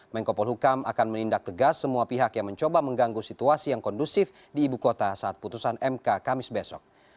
menko polhukam akan menindak tegas semua pihak yang mencoba mengganggu situasi yang kondusif di ibu kota saat putusan mk kamis besok